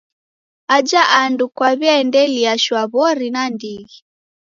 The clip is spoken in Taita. Aja andu kwaw'iaendelia shwaw'ori nandighi.